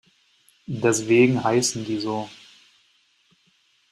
Deswegen heißen die so.